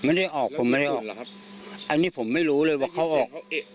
ไม่ได้ออกผมไม่ได้ออกหรอกครับอันนี้ผมไม่รู้เลยว่าเขาออก